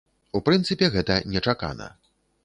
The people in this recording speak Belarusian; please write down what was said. У прынцыпе, гэта нечакана.